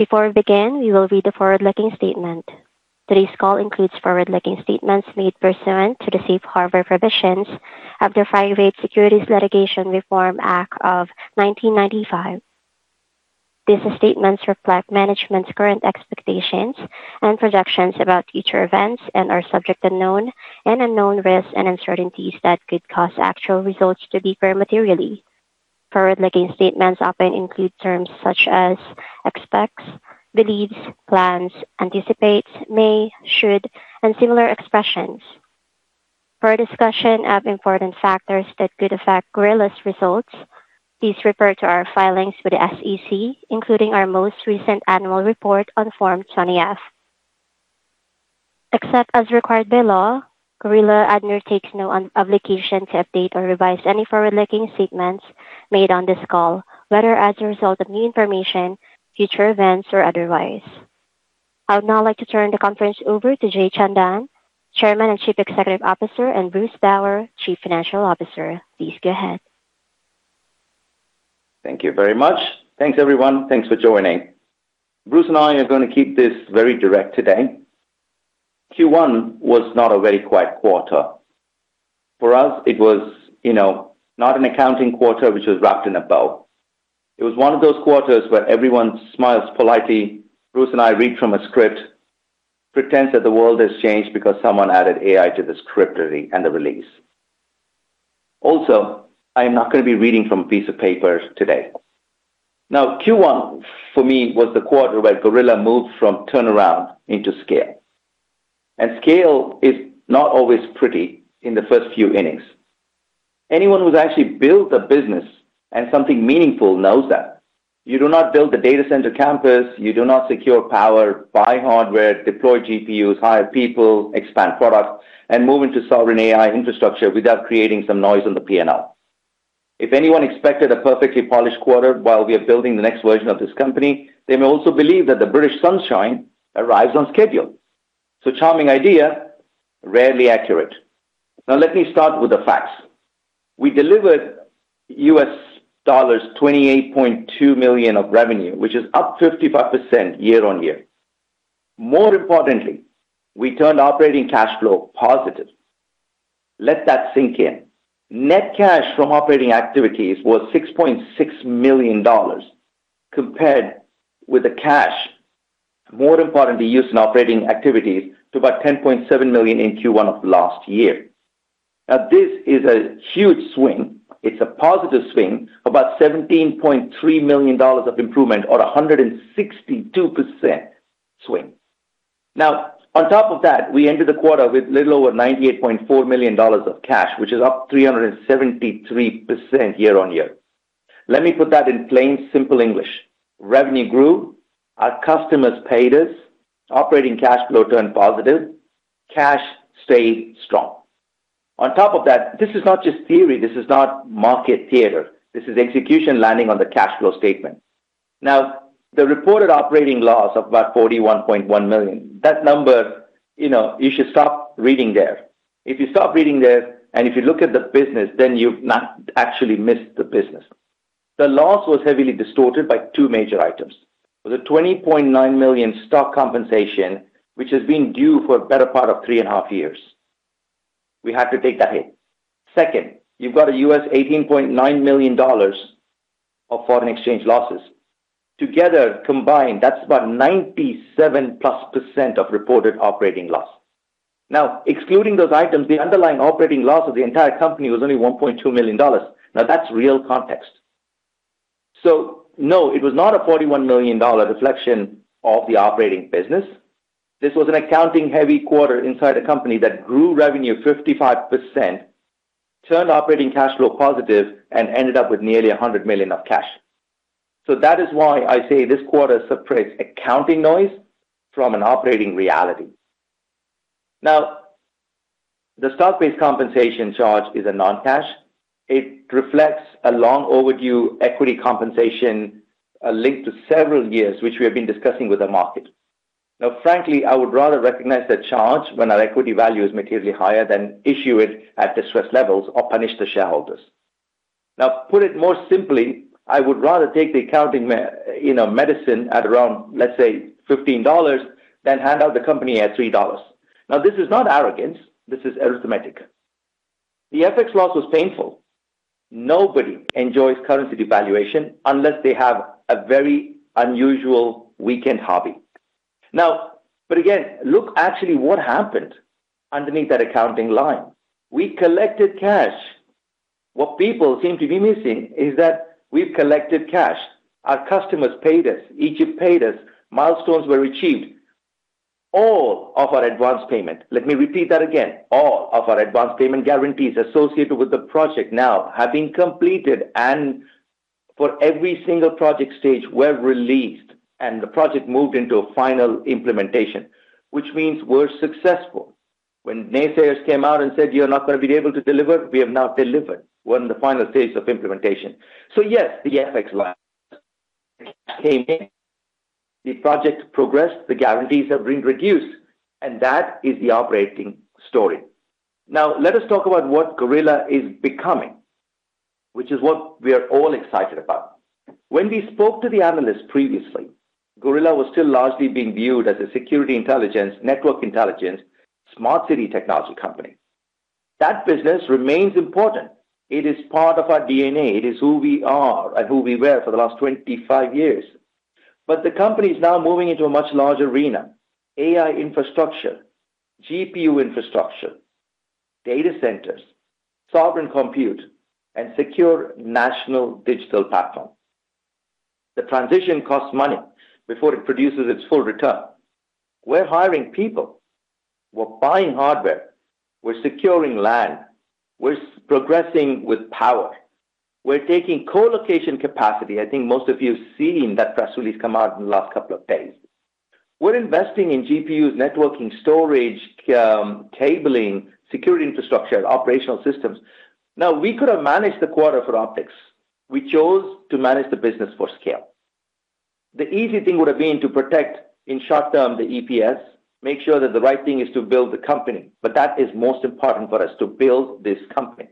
Before we begin, we will read the forward-looking statement. Today's call includes forward-looking statements made pursuant to the Safe Harbor provisions of the Private Securities Litigation Reform Act of 1995. These statements reflect management's current expectations and projections about future events and are subject to known and unknown risks and uncertainties that could cause actual results to differ materially. Forward-looking statements often include terms such as expects, believes, plans, anticipates, may, should, and similar expressions. For a discussion of important factors that could affect Gorilla's results, please refer to our filings with the SEC, including our most recent annual report on Form 20-F. Except as required by law, Gorilla undertakes no obligation to update or revise any forward-looking statements made on this call, whether as a result of new information, future events, or otherwise. I would now like to turn the conference over to Jay Chandan, Chairman and Chief Executive Officer, and Bruce Bower, Chief Financial Officer. Please go ahead. Thank you very much. Thanks, everyone. Thanks for joining. Bruce and I are going to keep this very direct today. Q1 was not a very quiet quarter. For us, it was not an accounting quarter which was wrapped in a bow. It was one of those quarters where everyone smiles politely, Bruce and I read from a script, pretend that the world has changed because someone added AI to the script and the release. I am not going to be reading from a piece of paper today. Q1 for me was the quarter where Gorilla moved from turnaround into scale. Scale is not always pretty in the first few innings. Anyone who's actually built a business and something meaningful knows that. You do not build a data center campus, you do not secure power, buy hardware, deploy GPUs, hire people, expand products, and move into sovereign AI infrastructure without creating some noise on the P&L. If anyone expected a perfectly polished quarter while we are building the next version of this company, they may also believe that the British sunshine arrives on schedule. It's a charming idea, rarely accurate. Let me start with the facts. We delivered $28.2 million of revenue, which is up 55% year-on-year. More importantly, we turned operating cash flow positive. Let that sink in. Net cash from operating activities was $6.6 million compared with the cash, more importantly, used in operating activities to about $10.7 million in Q1 of last year. This is a huge swing. It's a positive swing, about $17.3 million of improvement or 162% swing. On top of that, we ended the quarter with little over $98.4 million of cash, which is up 373% year-on-year. Let me put that in plain, simple English. Revenue grew, our customers paid us, operating cash flow turned positive, cash stayed strong. On top of that, this is not just theory, this is not market theater. This is execution landing on the cash flow statement. The reported operating loss of about $41.1 million, that number, you should stop reading there. If you stop reading there, and if you look at the business, then you've not actually missed the business. The loss was heavily distorted by two major items. The $20.9 million stock compensation, which has been due for the better part of three and a half years. We had to take that hit. Second, you've got a $18.9 million of foreign exchange losses. Together, combined, that's about 97%+ of reported operating loss. Excluding those items, the underlying operating loss of the entire company was only $1.2 million. That's real context. No, it was not a $41 million reflection of the operating business. This was an accounting-heavy quarter inside a company that grew revenue 55%, turned operating cash flow positive, and ended up with nearly $100 million of cash. That is why I say this quarter separates accounting noise from an operating reality. The stock-based compensation charge is a non-cash. It reflects a long overdue equity compensation linked to several years, which we have been discussing with the market. Frankly, I would rather recognize the charge when our equity value is materially higher than issue it at distressed levels or punish the shareholders. Put it more simply, I would rather take the accounting medicine at around, let's say, $15 than hand out the company at $3. This is not arrogance, this is arithmetic. The FX loss was painful. Nobody enjoys currency devaluation unless they have a very unusual weekend hobby. Again, look actually what happened underneath that accounting line. We collected cash. What people seem to be missing is that we've collected cash. Our customers paid us. Egypt paid us. Milestones were achieved. All of our advance payment, let me repeat that again, all of our advance payment guarantees associated with the project now have been completed, and for every single project stage were released, and the project moved into a final implementation, which means we're successful. When naysayers came out and said, "You're not going to be able to deliver," we have now delivered. We're in the final stage of implementation. Yes, the came in. The project progressed, the guarantees have been reduced, and that is the operating story. Let us talk about what Gorilla is becoming, which is what we are all excited about. When we spoke to the analysts previously, Gorilla was still largely being viewed as a security intelligence, network intelligence, smart city technology company. That business remains important. It is part of our DNA. It is who we are and who we were for the last 25 years. The company is now moving into a much larger arena, AI infrastructure, GPU infrastructure, data centers, sovereign compute, and secure national digital platforms. The transition costs money before it produces its full return. We're hiring people. We're buying hardware. We're securing land. We're progressing with power. We're taking co-location capacity. I think most of you have seen that press release come out in the last couple of days. We're investing in GPUs, networking, storage, cabling, security infrastructure, and operational systems. We could have managed the quarter for optics. We chose to manage the business for scale. The easy thing would have been to protect, in short term, the EPS, make sure that the right thing is to build the company, but that is most important for us to build this company.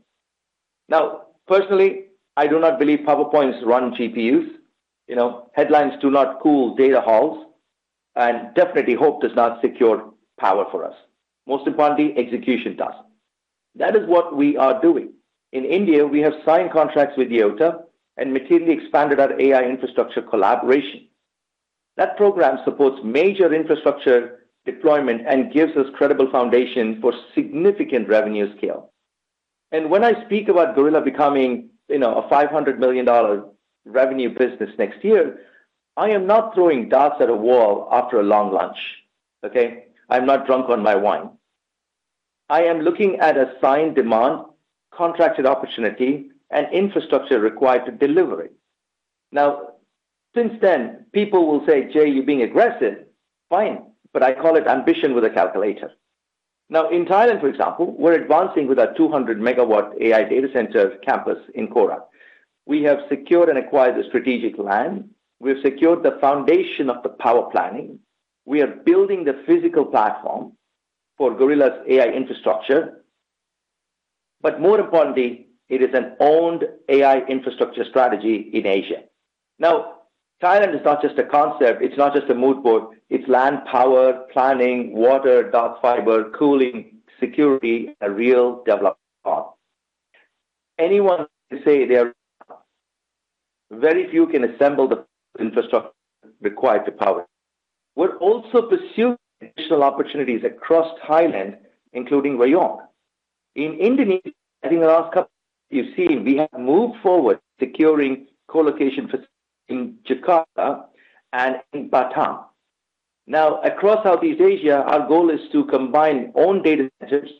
Personally, I do not believe PowerPoints run GPUs. Headlines do not cool data halls, and definitely hope does not secure power for us. Most importantly, execution does. That is what we are doing. In India, we have signed contracts with Yotta and materially expanded our AI infrastructure collaboration. That program supports major infrastructure deployment and gives us credible foundation for significant revenue scale. When I speak about Gorilla becoming a $500 million revenue business next year, I am not throwing darts at a wall after a long lunch, okay? I'm not drunk on my wine. I am looking at a signed demand, contracted opportunity, and infrastructure required to deliver it. Since then, people will say, "Jay, you're being aggressive." Fine. I call it ambition with a calculator. In Thailand, for example, we're advancing with our 200-MW AI data centers campus in Korat. We have secured and acquired the strategic land. We have secured the foundation of the power planning. We are building the physical platform for Gorilla's AI infrastructure. More importantly, it is an owned AI infrastructure strategy in Asia. Thailand is not just a concept, it's not just a mood board, it's land, power, planning, water, dark fiber, cooling, security, a real development path. Anyone can say they. Very few can assemble the infrastructure required to power it. We're also pursue— opportunities across Thailand, including Rayong. In [Indonesia], I think we have moved forward securing co-location facilities in Jakarta and in Batam. Across Southeast Asia, our goal is to combine own data centers,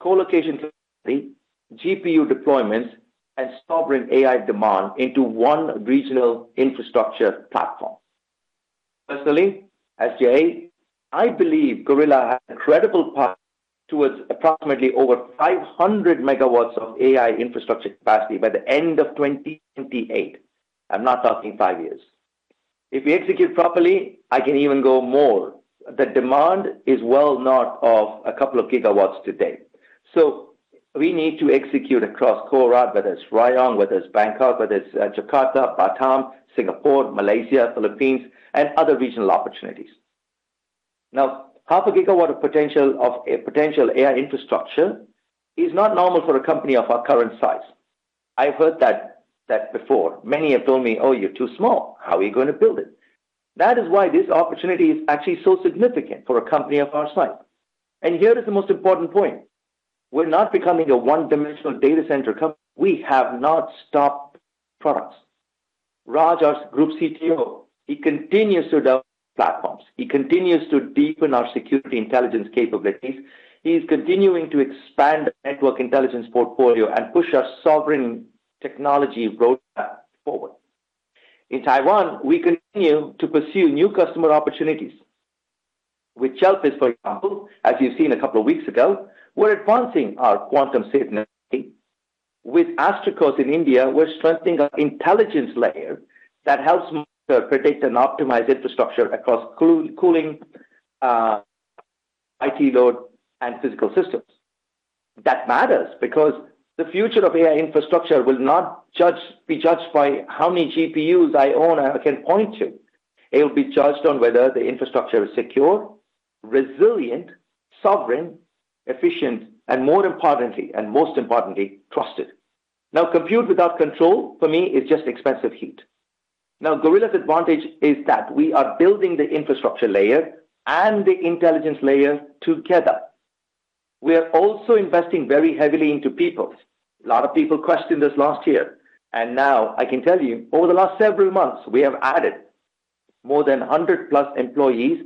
co-location facilities, GPU deployments, and sovereign AI demand into one regional infrastructure platform. Personally, as Jay, I believe Gorilla has incredible path towards approximately over 500 MW of AI infrastructure capacity by the end of 2028. I'm not talking five years. If we execute properly, I can even go more. The demand is well north of a couple of gigawatts today. We need to execute across Korat, whether it's Rayong, whether it's Bangkok, whether it's Jakarta, Batam, Singapore, Malaysia, Philippines, and other regional opportunities. Now, half a gigawatt of potential AI infrastructure is not normal for a company of our current size. I've heard that before. Many have told me, "Oh, you're too small. How are you going to build it?" That is why this opportunity is actually so significant for a company of our size. Here is the most important point. We're not becoming a one-dimensional data center company. We have not stopped products. Raj, our Group CTO, he continues to platforms. He continues to deepen our security intelligence capabilities. He is continuing to expand the network intelligence portfolio and push our sovereign technology roadmap forward. In Taiwan, we continue to pursue new customer opportunities. With Chelpis, for example, as you've seen a couple of weeks ago, we're advancing our quantum [safety]. With Astrikos in India, we're strengthening our intelligence layer that helps predict and optimize infrastructure across cooling, IT load, and physical systems. That matters because the future of AI infrastructure will not be judged by how many GPUs I own or I can point to. It will be judged on whether the infrastructure is secure, resilient, sovereign, efficient, and most importantly, trusted. Compute without control, for me, is just expensive heat. Gorilla's advantage is that we are building the infrastructure layer and the intelligence layer together. We are also investing very heavily into people. A lot of people questioned this last year, and now I can tell you, over the last several months, we have added more than 100+ employees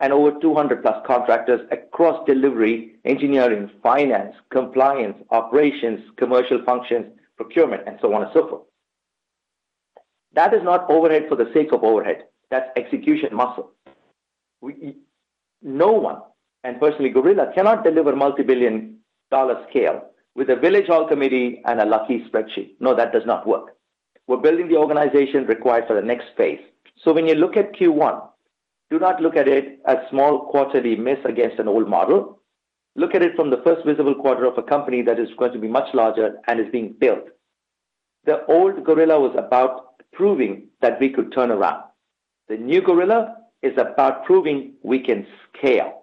and over 200+ contractors across delivery, engineering, finance, compliance, operations, commercial functions, procurement, and so on and so forth. That is not overhead for the sake of overhead. That's execution muscle. No one, and personally, Gorilla, cannot deliver multi-billion dollar scale with a village hall committee and a lucky spreadsheet. No, that does not work. We're building the organization required for the next phase. When you look at Q1, do not look at it as small quarterly miss against an old model. Look at it from the first visible quarter of a company that is going to be much larger and is being built. The old Gorilla was about proving that we could turn around. The new Gorilla is about proving we can scale.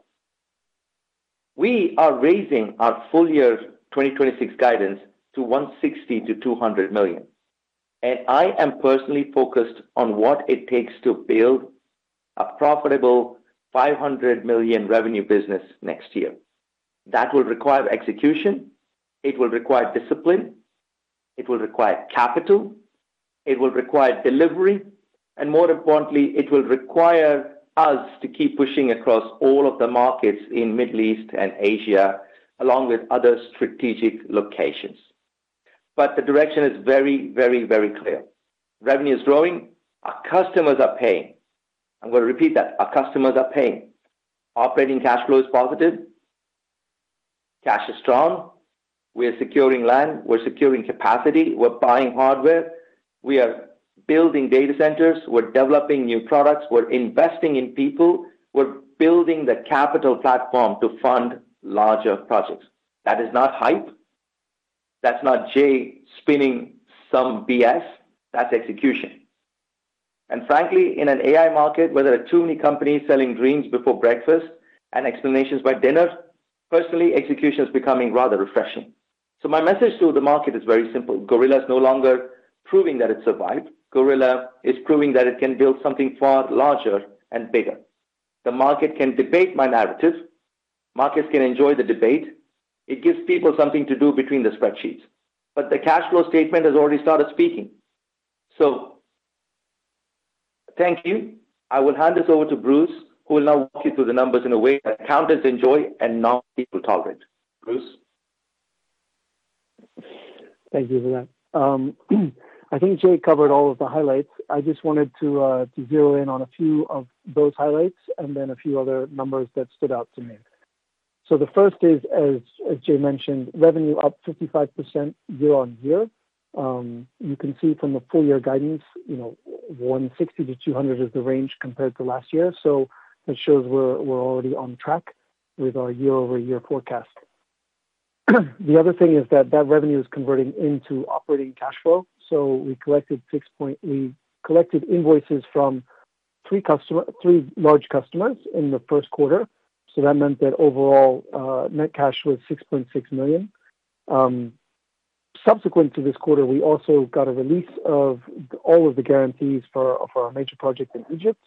We are raising our full year 2026 guidance to $160 million-$200 million, and I am personally focused on what it takes to build a profitable $500 million revenue business next year. That will require execution. It will require discipline. It will require capital. It will require delivery. More importantly, it will require us to keep pushing across all of the markets in Middle East and Asia, along with other strategic locations. The direction is very, very clear. Revenue is growing. Our customers are paying. I'm going to repeat that. Our customers are paying. Operating cash flow is positive. Cash is strong. We are securing land. We're securing capacity. We're buying hardware. We are building data centers. We're developing new products. We're investing in people. We're building the capital platform to fund larger projects. That is not hype. That's not Jay spinning some BS. That's execution. Frankly, in an AI market where there are too many companies selling dreams before breakfast and explanations by dinner, personally, execution is becoming rather refreshing. My message to the market is very simple. Gorilla is no longer proving that it survived. Gorilla is proving that it can build something far larger and bigger. The market can debate my narratives. Markets can enjoy the debate. It gives people something to do between the spreadsheets. The cash flow statement has already started speaking. Thank you. I will hand this over to Bruce, who will now walk you through the numbers in a way that accountants enjoy and non-people tolerate. Bruce? Thank you for that. I think Jay covered all of the highlights. I just wanted to zero in on a few of those highlights and then a few other numbers that stood out to me. The first is, as Jay mentioned, revenue up 55% year-over-year. You can see from the full year guidance, $160-$200 is the range compared to last year. That shows we're already on track with our year-over-year forecast. The other thing is that revenue is converting into operating cash flow. We collected invoices from three large customers in the first quarter. That meant that overall, net cash was $6.6 million. Subsequent to this quarter, we also got a release of all of the guarantees for our major project in Egypt.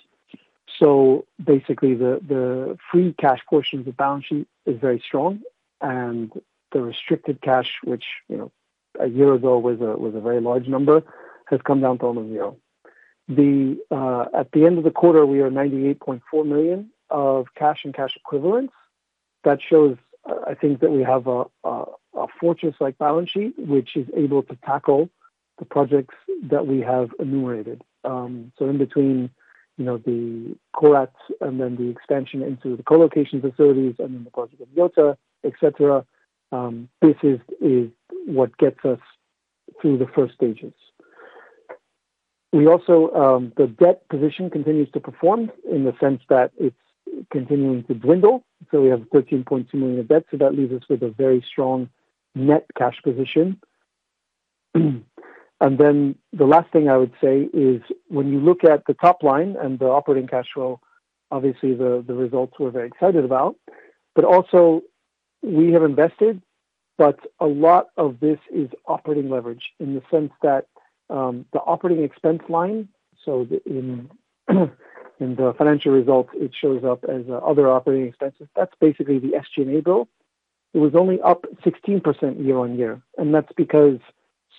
Basically, the free cash portion of the balance sheet is very strong, and the restricted cash, which a year ago was a very large number, has come down to almost zero. At the end of the quarter, we are $98.4 million of cash and cash equivalents. That shows, I think that we have a fortress-like balance sheet, which is able to tackle the projects that we have enumerated. In between the Korat and then the expansion into the co-location facilities and then the project of Yotta, et cetera, this is what gets us through the first stages. The debt position continues to perform in the sense that it's continuing to dwindle. We have $13.2 million of debt. That leaves us with a very strong net cash position. The last thing I would say is, when you look at the top line and the operating cash flow, obviously the results we're very excited about. We have invested, but a lot of this is operating leverage in the sense that, the operating expense line, so in the financial results, it shows up as other operating expenses. That's basically the SG&A bill. It was only up 16% year-on-year, and that's because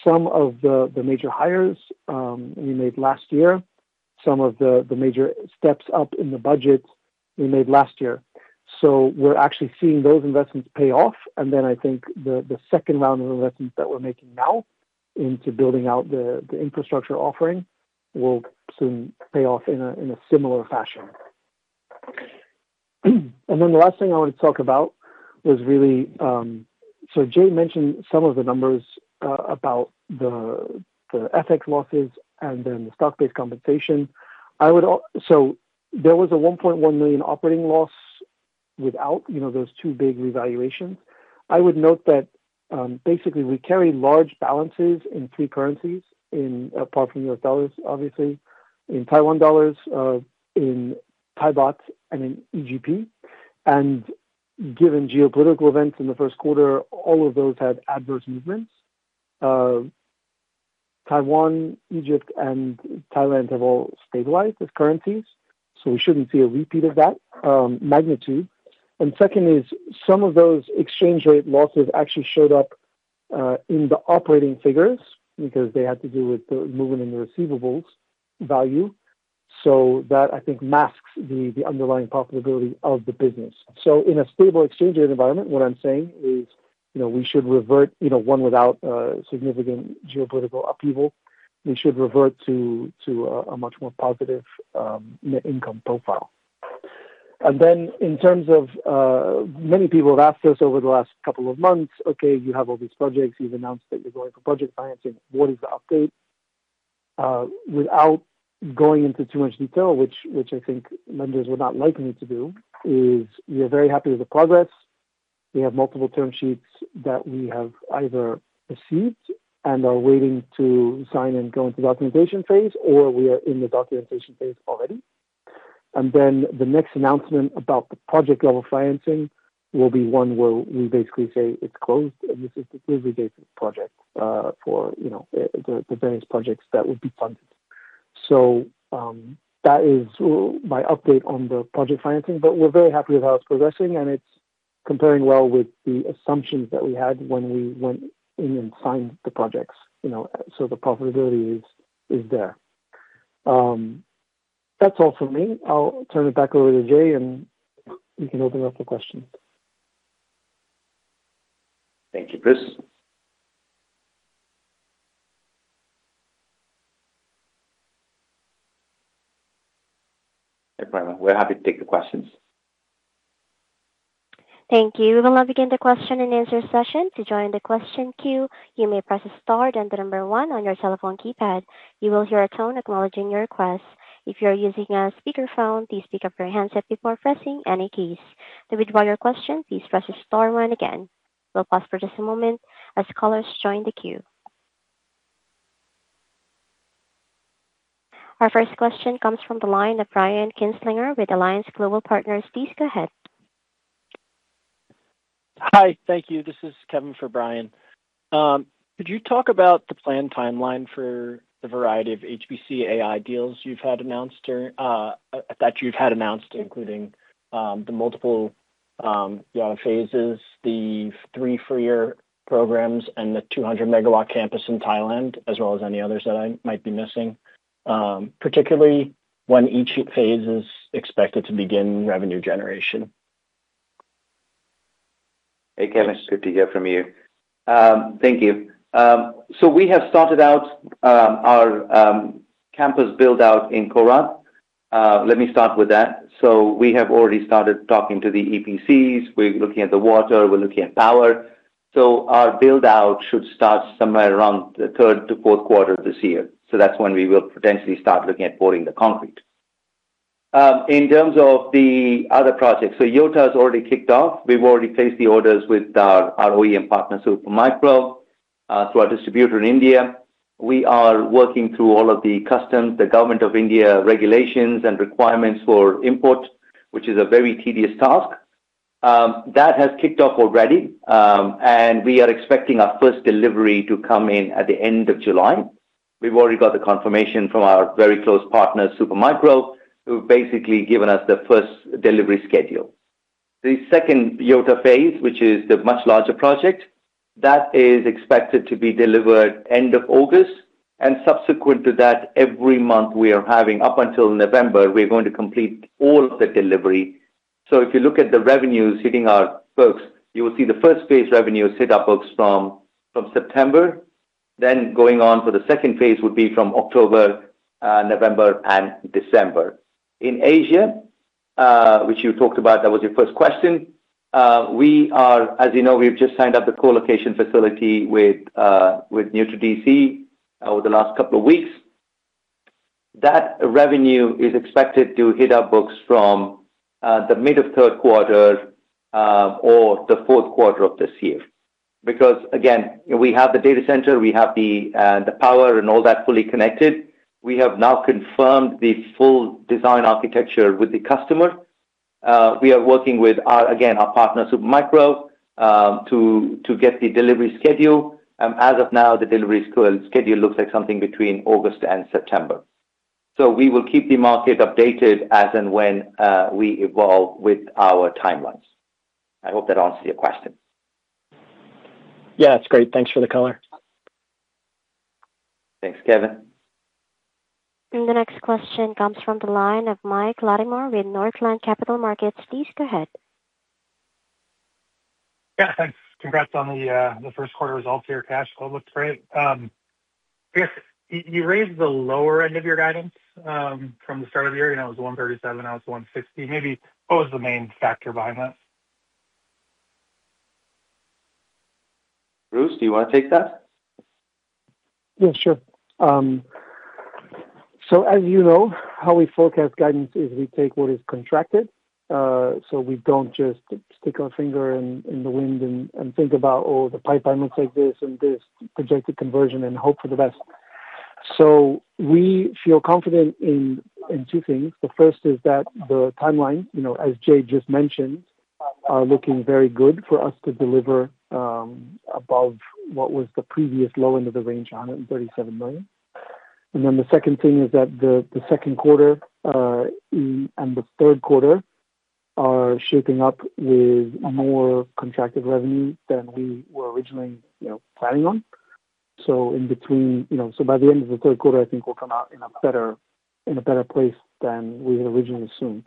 some of the major hires we made last year, some of the major steps up in the budget we made last year. We're actually seeing those investments pay off, and then I think the second round of investments that we're making now into building out the infrastructure offering will soon pay off in a similar fashion. The last thing I wanted to talk about was Jay mentioned some of the numbers about the FX losses and the stock-based compensation. There was a $1.1 million operating loss without those two big revaluations. I would note that basically we carry large balances in three currencies, apart from U.S. dollars, obviously, in Taiwan dollars, in Thai Baht, and in Egyptian Pound. Given geopolitical events in the first quarter, all of those had adverse movements. Taiwan, Egypt, and Thailand have all stabilized as currencies, so we shouldn't see a repeat of that magnitude. Second is some of those exchange rate losses actually showed up in the operating figures because they had to do with the movement in the receivables value. That, I think, masks the underlying profitability of the business. In a stable exchange rate environment, what I'm saying is, we should revert, one without significant geopolitical upheaval, we should revert to a much more positive net income profile. In terms of many people have asked us over the last couple of months, okay, you have all these projects, you've announced that you're going for project financing. What is the update? Without going into too much detail, which I think lenders would not like me to do, is we are very happy with the progress. We have multiple term sheets that we have either received and are waiting to sign and go into the documentation phase, or we are in the documentation phase already. The next announcement about the project level financing will be one where we basically say it's closed and this is the delivery date for the various projects that would be funded. That is my update on the project financing, but we're very happy with how it's progressing and it's comparing well with the assumptions that we had when we went in and signed the projects. The profitability is there. That's all from me. I'll turn it back over to Jay, and we can open up for questions. Thank you, Bruce. No problem. We're happy to take the questions. Thank you. We'll now begin the question and answer session. To join the question queue, you may press star then the number one on your telephone keypad. You will hear a tone acknowledging your request. If you are using a speakerphone, please pick up your handset before pressing any keys. To withdraw your question, please press star one again. We'll pause for just a moment as callers join the queue. Our first question comes from the line of Brian Kinstlinger with Alliance Global Partners. Please go ahead. Hi. Thank you. This is Kevin for Brian. Could you talk about the planned timeline for the variety of HPC AI deals that you've had announced, including the multiple Yotta phases, the three [Freyr] programs, and the 200-MW campus in Thailand, as well as any others that I might be missing? Particularly when each phase is expected to begin revenue generation. Hey, Kevin. It's good to hear from you. Thank you. We have started out our campus build-out in Korat. Let me start with that. We have already started talking to the EPCs. We're looking at the water, we're looking at power. Our build-out should start somewhere around the third to fourth quarter this year. That's when we will potentially start looking at pouring the concrete. In terms of the other projects, so Yotta has already kicked off. We've already placed the orders with our OEM partners, Supermicro, through our distributor in India. We are working through all of the customs, the government of India regulations and requirements for import, which is a very tedious task. That has kicked off already, and we are expecting our first delivery to come in at the end of July. We've already got the confirmation from our very close partner, Supermicro, who have basically given us the first delivery schedule. The second Yotta phase, which is the much larger project, that is expected to be delivered end of August, and subsequent to that, every month we are having up until November, we're going to complete all the delivery. If you look at the revenues hitting our books, you will see the first phase revenue hit our books from September. Going on for the second phase would be from October, November, and December. In Asia, which you talked about, that was your first question, as you know, we've just signed up the co-location facility with NeutraDC over the last couple of weeks. That revenue is expected to hit our books from the mid of third quarter or the fourth quarter of this year. Because again, we have the data center, we have the power and all that fully connected. We have now confirmed the full design architecture with the customer. We are working with, again, our partner, Supermicro, to get the delivery schedule, and as of now, the delivery schedule looks like something between August and September. We will keep the market updated as and when we evolve with our timelines. I hope that answers your question. Yeah. It's great. Thanks for the color. Thanks, Kevin. The next question comes from the line of Mike Latimore with Northland Capital Markets. Please go ahead. Yeah. Thanks. Congrats on the first quarter results here. Cash flow looks great. I guess you raised the lower end of your guidance from the start of the year, it was $137 million, now it's $160 million. Maybe what was the main factor behind that? Bruce, do you want to take that? Yeah, sure. As you know, how we forecast guidance is we take what is contracted. We don't just stick our finger in the wind and think about, "Oh, the pipeline looks like this and this," project the conversion and hope for the best. We feel confident in two things. The first is that the timeline, as Jay just mentioned, are looking very good for us to deliver above what was the previous low end of the range, $137 million. The second thing is that the second quarter and the third quarter are shaping up with more contracted revenue than we were originally planning on. By the end of the third quarter, I think we'll come out in a better place than we had originally assumed.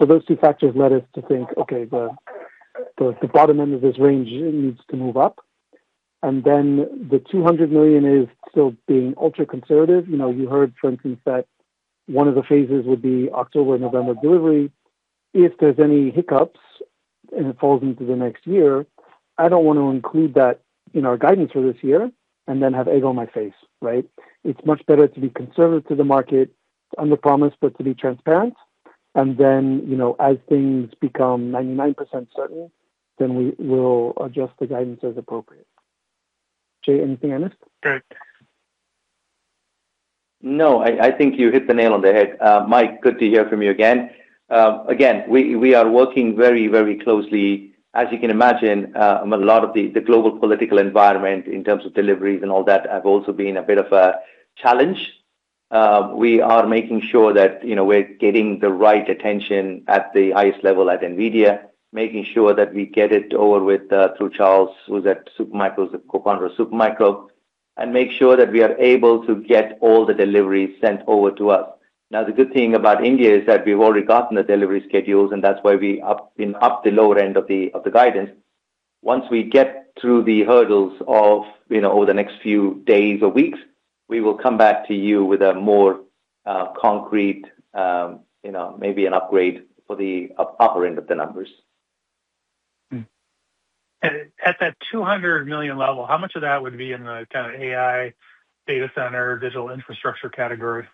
Those two factors led us to think, okay, the bottom end of this range needs to move up. The $200 million is still being ultra-conservative. You heard, for instance, that one of the phases would be October, November delivery. If there's any hiccups and it falls into the next year, I don't want to include that in our guidance for this year and then have egg on my face, right? It's much better to be conservative to the market, underpromise, but to be transparent. As things become 99% certain, then we'll adjust the guidance as appropriate. Jay, anything I missed? Great. No. I think you hit the nail on the head. Mike, good to hear from you again. We are working very closely. As you can imagine, a lot of the global political environment in terms of deliveries and all that have also been a bit of a challenge. We are making sure that we're getting the right attention at the highest level at NVIDIA, making sure that we get it over with through Charles, who's at Supermicro, co-founder of Supermicro, and make sure that we are able to get all the deliveries sent over to us. The good thing about India is that we've already gotten the delivery schedules, and that's why we upped the lower end of the guidance. Once we get through the hurdles over the next few days or weeks, we will come back to you with a more concrete, maybe an upgrade for the upper end of the numbers. At that $200 million level, how much of that would be in the kind of AI data center, digital infrastructure category?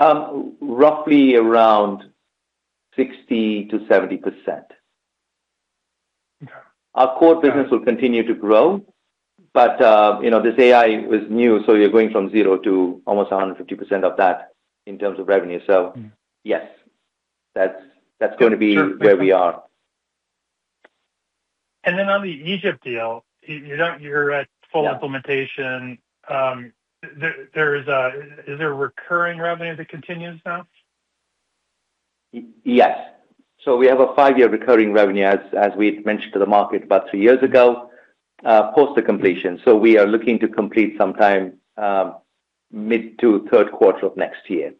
Roughly around 60%-70%. Okay. Our core business will continue to grow, but this AI is new, so you're going from zero to almost 150% of that in terms of revenue. Yes, that's going to be where we are. On the Egypt deal, you're at full implementation. Is there recurring revenue that continues now? Yes. We have a five-year recurring revenue, as we had mentioned to the market about three years ago, post the completion. We are looking to complete sometime mid to third quarter of next year.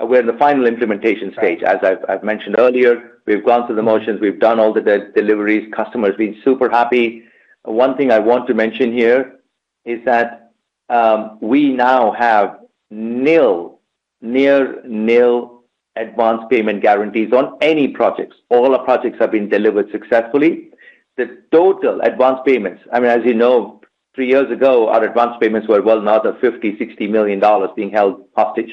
We're in the final implementation stage. As I've mentioned earlier, we've gone through the motions, we've done all the deliveries, customers been super happy. One thing I want to mention here is that, we now have nil, near nil advance payment guarantees on any projects. All our projects have been delivered successfully. The total advance payments, as you know, three years ago, our advance payments were well north of $50, $60 million being held hostage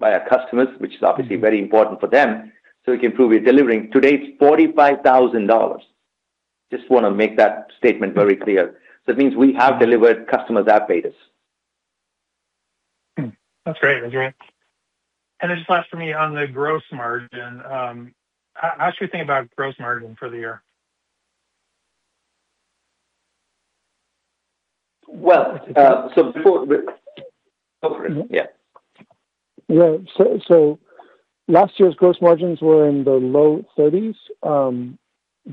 by our customers, which is obviously very important for them, so we can prove we're delivering. Today, it's $45,000. Just want to make that statement very clear. It means we have delivered, customers have paid us. That's great. Just last for me on the gross margin. How should we think about gross margin for the year? Well, Go for it, yeah. Last year's gross margins were in the low 30%.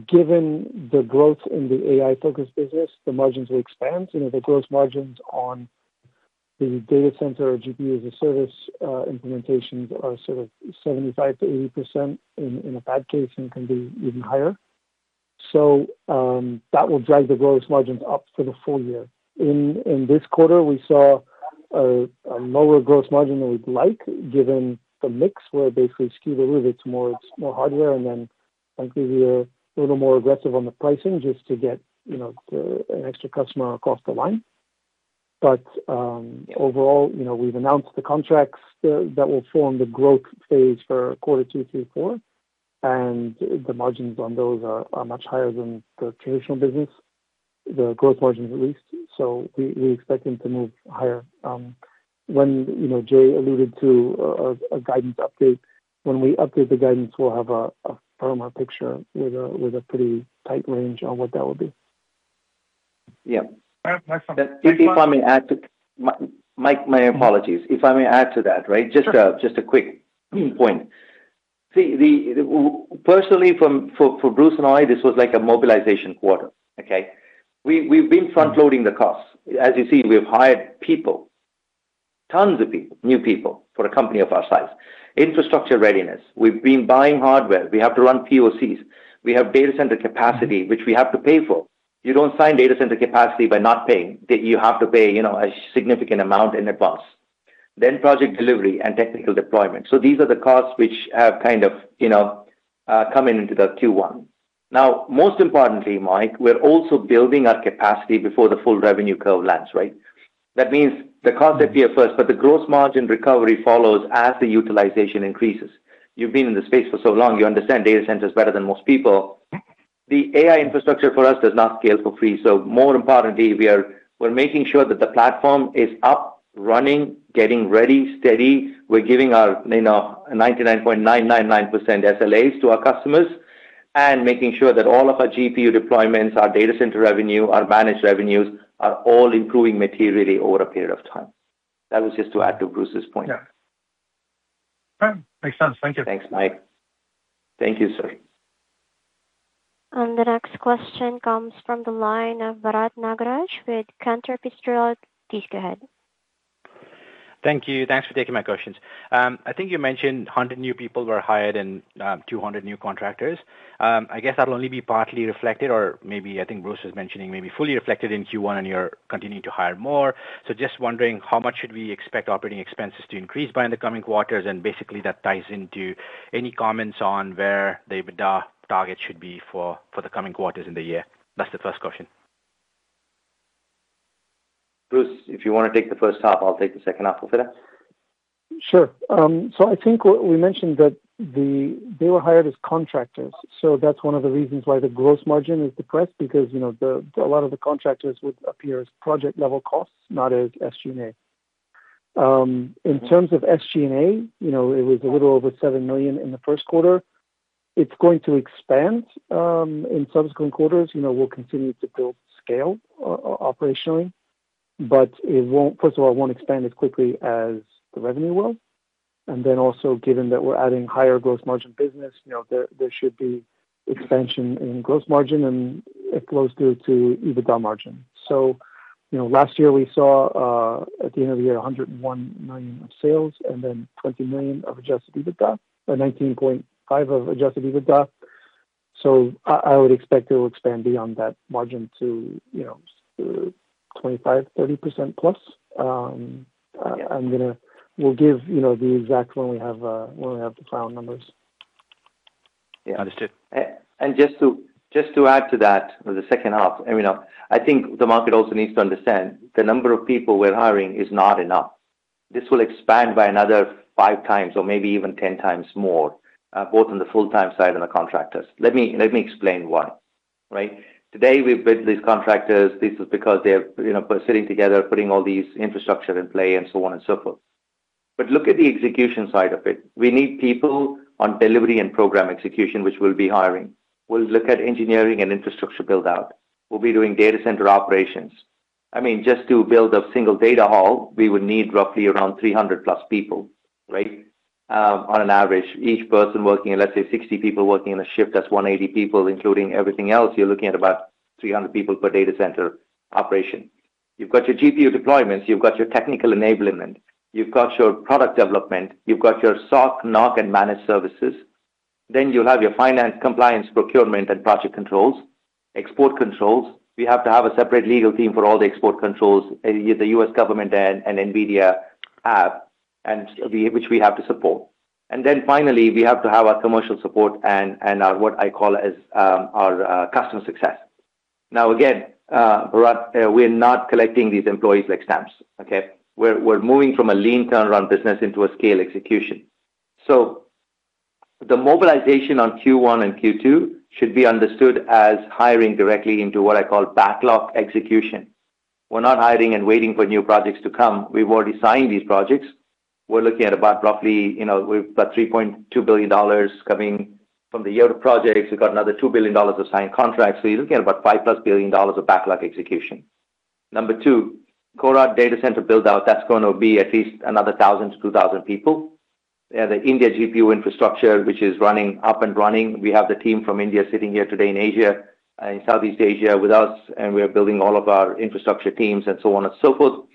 Given the growth in the AI-focused business, the margins will expand. The gross margins on the data center or GPU-as-a-service implementations are sort of 75%-80% in a bad case, and it can be even higher. That will drive the gross margins up for the full year. In this quarter, we saw a lower gross margin than we'd like, given the mix where basically skewed a little bit to more hardware, and then likely we were a little more aggressive on the pricing just to get an extra customer across the line. Overall, we've announced the contracts that will form the growth phase for quarter two, three, four, and the margins on those are much higher than the traditional business, the growth margins, at least. We're expecting to move higher. When Jay alluded to a guidance update, when we update the guidance, we'll have a firmer picture with a pretty tight range on what that will be. Yeah. All right, thanks. Mike, my apologies. If I may add to that, right? Sure. Just a quick point. See, personally, for Bruce and I, this was like a mobilization quarter, okay? We've been front-loading the costs. As you see, we have hired people, tons of people, new people for a company of our size. Infrastructure readiness. We've been buying hardware. We have to run POCs. We have data center capacity, which we have to pay for. You don't sign data center capacity by not paying. You have to pay a significant amount in advance. Project delivery and technical deployment. These are the costs which have kind of come in into the Q1. Now, most importantly, Mike, we're also building our capacity before the full revenue curve lands, right? That means the costs appear first, but the gross margin recovery follows as the utilization increases. You've been in this space for so long, you understand data centers better than most people. The AI infrastructure for us does not scale for free. More importantly, we're making sure that the platform is up, running, getting ready, steady. We're giving our 99.999% SLAs to our customers and making sure that all of our GPU deployments, our data center revenue, our managed revenues, are all improving materially over a period of time. That was just to add to Bruce's point. Yeah. All right, makes sense. Thank you. Thanks, Mike. Thank you, sir. The next question comes from the line of Bharath Nagaraj with Cantor Fitzgerald. Please go ahead. Thank you. Thanks for taking my questions. I think you mentioned 100 new people were hired and 200 new contractors. I guess that'll only be partly reflected or maybe, I think Bruce was mentioning maybe fully reflected in Q1 and you're continuing to hire more. Just wondering how much should we expect operating expenses to increase by in the coming quarters? Basically that ties into any comments on where the EBITDA target should be for the coming quarters in the year. That's the first question. Bruce, if you want to take the first half, I'll take the second half. Will fit us? Sure. I think what we mentioned that they were hired as contractors, so that's one of the reasons why the gross margin is depressed because a lot of the contractors would appear as project-level costs, not as SG&A. In terms of SG&A, it was a little over $7 million in the first quarter. It's going to expand in subsequent quarters. We'll continue to build scale operationally, but first of all, it won't expand as quickly as the revenue will. Also given that we're adding higher gross margin business, there should be expansion in gross margin, and it flows through to EBITDA margin. Last year we saw, at the end of the year, $101 million of sales and then $20 million of adjusted EBITDA, or $19.5 million of adjusted EBITDA. I would expect it will expand beyond that margin to 25%, 30%+. Yeah. We'll give the exact when we have the cloud numbers. Yeah. Understood. Just to add to that for the second half, I mean, I think the market also needs to understand the number of people we're hiring is not enough. This will expand by another 5x or maybe even 10x more, both on the full-time side and the contractors. Let me explain why, right. Today, we've built these contractors. This is because they're sitting together, putting all these infrastructure in play and so on and so forth. Look at the execution side of it. We need people on delivery and program execution, which we'll be hiring. We'll look at engineering and infrastructure build-out. We'll be doing data center operations. I mean, just to build a single data hall, we would need roughly around 300+ people. Right? On an average. Each person working, let's say 60 people working in a shift, that's 180 people, including everything else, you're looking at about 300 people per data center operation. You've got your GPU deployments, you've got your technical enablement, you've got your product development, you've got your SOC, NOC, and managed services. You'll have your finance, compliance, procurement, and project controls, export controls. We have to have a separate legal team for all the export controls, the U.S. government and NVIDIA have, and which we have to support. Finally, we have to have our commercial support and our, what I call as, our customer success. Again, Bharath, we're not collecting these employees like stamps, okay? We're moving from a lean turnaround business into a scale execution. The mobilization on Q1 and Q2 should be understood as hiring directly into what I call backlog execution. We're not hiring and waiting for new projects to come. We've already signed these projects. We're looking at about roughly, we've got $3.2 billion coming from the Yotta projects. We've got another $2 billion of signed contracts. You're looking at about $5+ billion of backlog execution. Number two, Korat data center build-out, that's going to be at least another 1,000 to 2,000 people. The India GPU infrastructure, which is up and running. We have the team from India sitting here today in Asia and Southeast Asia with us, and we are building all of our infrastructure teams and so on and so forth.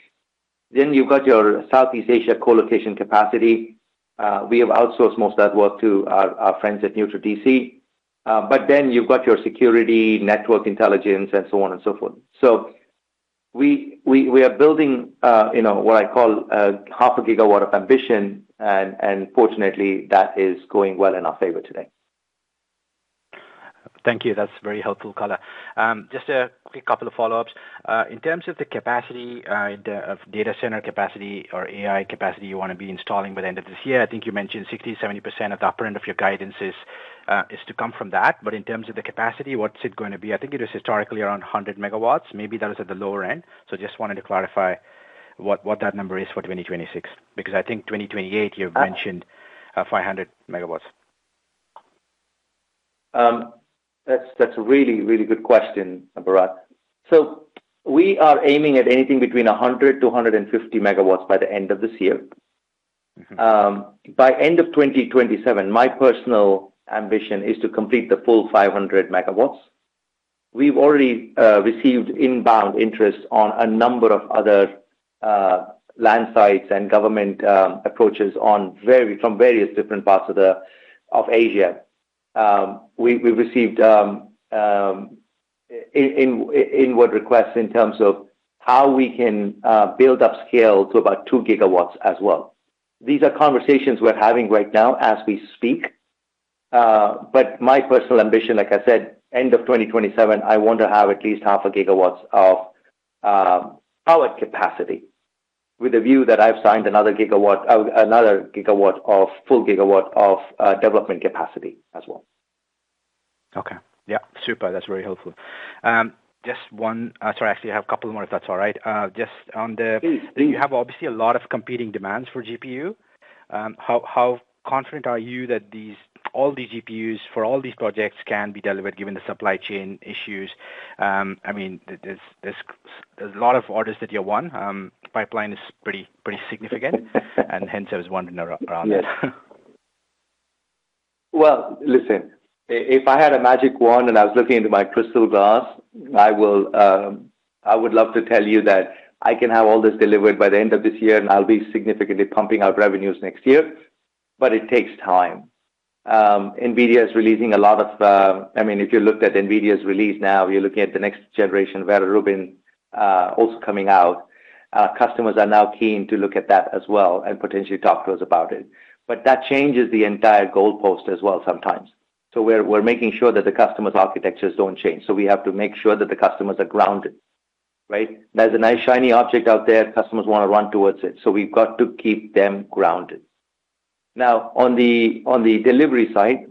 You've got your Southeast Asia co-location capacity. We have outsourced most of that work to our friends at NeutraDC. You've got your security, network intelligence, and so on and so forth. We are building what I call half a gigawatt of ambition, and fortunately, that is going well in our favor today. Thank you. That's very helpful color. Just a quick couple of follow-ups. In terms of the capacity, the data center capacity or AI capacity you want to be installing by the end of this year, I think you mentioned 60%, 70% at the upper end of your guidance is to come from that. In terms of the capacity, what's it going to be? I think it is historically around 100 MW. Maybe that is at the lower end. Just wanted to clarify what that number is for 2026. I think 2028 you've mentioned 500 MW. That's a really good question, Bharath. We are aiming at anything between 100 MW-150 MW by the end of this year. By end of 2027, my personal ambition is to complete the full 500 MW. We've already received inbound interest on a number of other land sites and government approaches from various different parts of Asia. We received inward requests in terms of how we can build up scale to about 2 GW as well. These are conversations we're having right now as we speak. My personal ambition, like I said, end of 2027, I want to have at least half a gigawatts of power capacity with a view that I've signed another full gigawatt of development capacity as well. Okay. Yeah. Super. That's very helpful. Just one. Sorry, I actually have a couple more, if that's all right. Just on the- Please you have obviously a lot of competing demands for GPU. How confident are you that all these GPUs for all these projects can be delivered given the supply chain issues? I mean, there's a lot of orders that you won. Pipeline is pretty significant. Hence, I was wondering around that. Well, listen. If I had a magic wand and I was looking into my crystal glass, I would love to tell you that I can have all this delivered by the end of this year, and I'll be significantly pumping out revenues next year, it takes time. NVIDIA is releasing. If you looked at NVIDIA's release now, you're looking at the next generation of Vera Rubin also coming out. Customers are now keen to look at that as well and potentially talk to us about it. That changes the entire goalpost as well sometimes. We're making sure that the customers' architectures don't change. We have to make sure that the customers are grounded, right? There's a nice, shiny object out there, customers want to run towards it. We've got to keep them grounded. On the delivery side,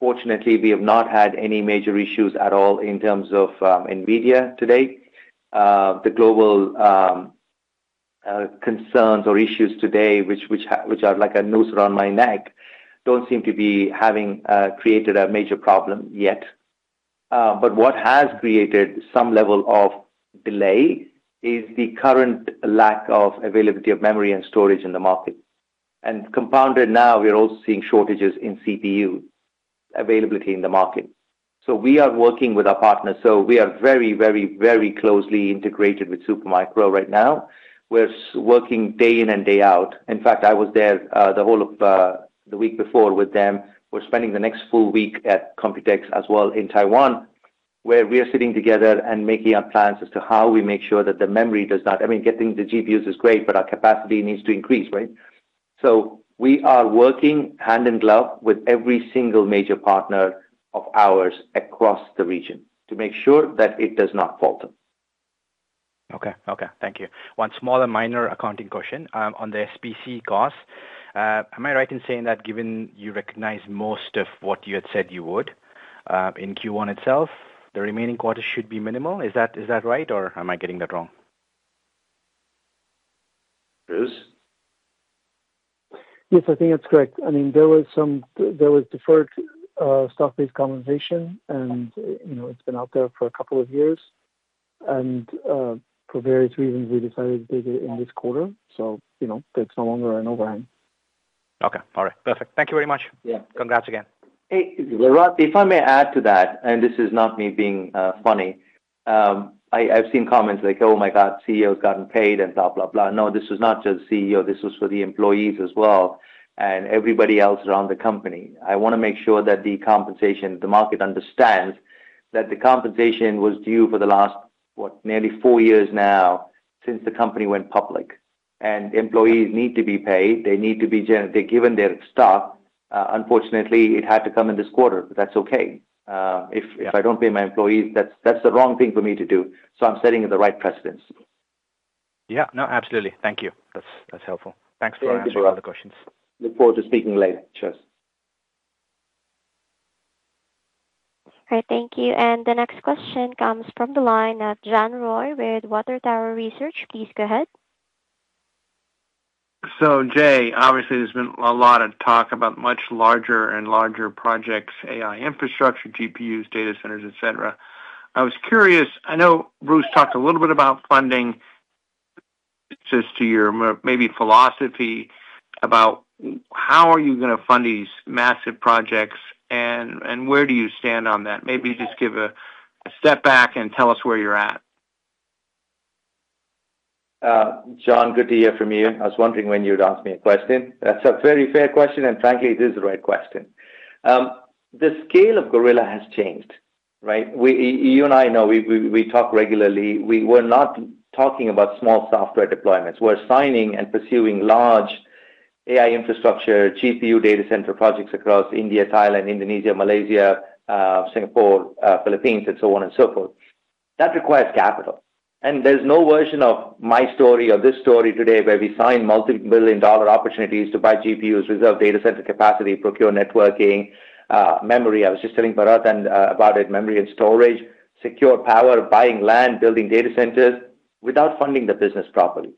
fortunately, we have not had any major issues at all in terms of NVIDIA today. The global concerns or issues today, which are like a noose around my neck, don't seem to be having created a major problem yet. What has created some level of delay is the current lack of availability of memory and storage in the market. Compounded now, we are also seeing shortages in CPU availability in the market. We are working with our partners. We are very closely integrated with Supermicro right now. We're working day in and day out. In fact, I was there the whole of the week before with them. We're spending the next full week at Computex as well in Taiwan, where we are sitting together and making our plans as to how we make sure that getting the GPUs is great, but our capacity needs to increase, right? We are working hand in glove with every single major partner of ours across the region to make sure that it does not falter. Okay. Thank you. One small and minor accounting question. On the SBC costs, am I right in saying that given you recognized most of what you had said you would in Q1 itself, the remaining quarter should be minimal? Is that right, or am I getting that wrong? Bruce? Yes, I think that's correct. There was deferred stock-based compensation, and it's been out there for a couple of years. For various reasons, we decided to do it in this quarter, so that's no longer an overhang. Okay. All right. Perfect. Thank you very much. Yeah. Congrats again. Hey, Bharath, if I may add to that. This is not me being funny. I've seen comments like, "Oh, my God, CEO's gotten paid," and blah, blah. No, this was not just CEO. This was for the employees as well and everybody else around the company. I want to make sure that the compensation, the market understands that the compensation was due for the last, what? Nearly four years now since the company went public. Employees need to be paid. They're given their stock. Unfortunately, it had to come in this quarter, but that's okay. If I don't pay my employees, that's the wrong thing for me to do. I'm setting the right precedent. Yeah. No, absolutely. Thank you. That's helpful. Thanks for answering all the questions. Look forward to speaking later. Cheers. All right. Thank you. The next question comes from the line of John Roy with Water Tower Research. Please go ahead. Jay, obviously there's been a lot of talk about much larger and larger projects, AI infrastructure, GPUs, data centers, et cetera. I was curious, I know Bruce talked a little bit about funding, just to your maybe philosophy about how are you going to fund these massive projects and where do you stand on that? Maybe just give a step back and tell us where you're at. John, good to hear from you. I was wondering when you'd ask me a question. That's a very fair question, and frankly, it is the right question. The scale of Gorilla has changed, right? You and I know, we talk regularly. We're not talking about small software deployments. We're signing and pursuing large AI infrastructure, GPU data center projects across India, Thailand, Indonesia, Malaysia, Singapore, Philippines, and so on and so forth. That requires capital. There's no version of my story or this story today where we sign multi-billion dollar opportunities to buy GPUs, reserve data center capacity, procure networking, memory. I was just telling Bharath about it, memory and storage, secure power, buying land, building data centers, without funding the business properly.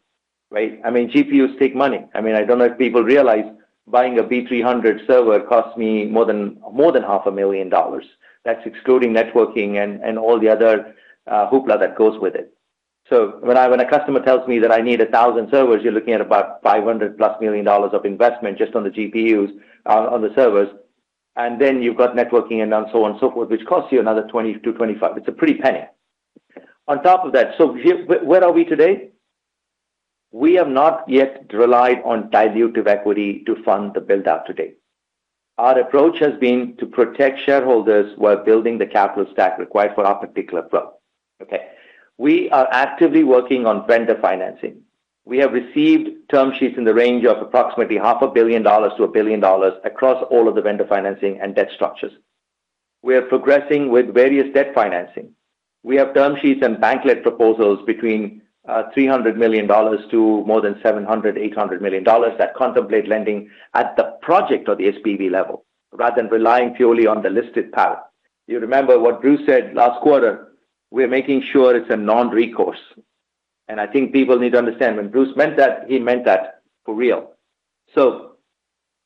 Right? GPUs take money. I don't know if people realize buying a B300 server costs me more than half a million dollars. That's excluding networking and all the other hoopla that goes with it. When a customer tells me that I need 1,000 servers, you're looking at about $500+ million of investment just on the GPUs, on the servers, and then you've got networking and so on and so forth, which costs you another 20%-25%. It's a pretty penny. On top of that, where are we today? We have not yet relied on dilutive equity to fund the build-out to date. Our approach has been to protect shareholders while building the capital stack required for our particular flow. Okay. We are actively working on vendor financing. We have received term sheets in the range of approximately $0.5 billion-$1 billion across all of the vendor financing and debt structures. We are progressing with various debt financing. We have term sheets and bank-led proposals between $300 million to more than $700, $800 million that contemplate lending at the project or the SPV level rather than relying purely on the listed parent. You remember what Bruce said last quarter. We're making sure it's a non-recourse. I think people need to understand when Bruce meant that, he meant that for real.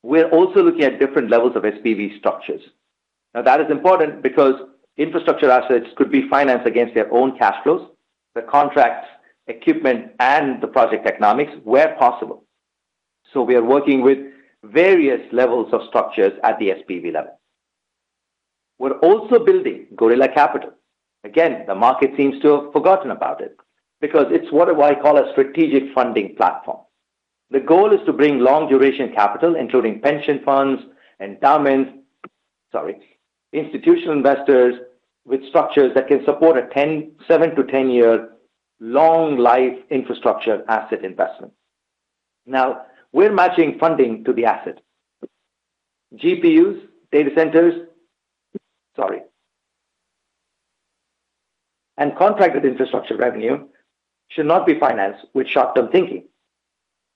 We're also looking at different levels of SPV structures. Now, that is important because infrastructure assets could be financed against their own cash flows, the contracts, equipment, and the project economics where possible. We are working with various levels of structures at the SPV level. We're also building Gorilla Capital. Again, the market seems to have forgotten about it because it's what I call a strategic funding platform. The goal is to bring long-duration capital, including pension funds, endowments, institutional investors with structures that can support a 7-10-year long life infrastructure asset investment. We're matching funding to the asset. GPUs, data centers, and contracted infrastructure revenue should not be financed with short-term thinking.